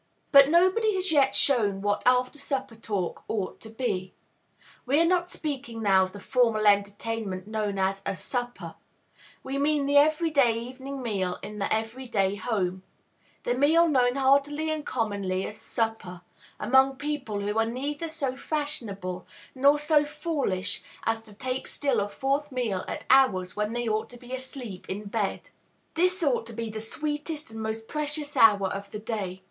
But nobody has yet shown what "after supper talk" ought to be. We are not speaking now of the formal entertainment known as "a supper;" we mean the every day evening meal in the every day home, the meal known heartily and commonly as "supper," among people who are neither so fashionable nor so foolish as to take still a fourth meal at hours when they ought to be asleep in bed. This ought to be the sweetest and most precious hour of the day.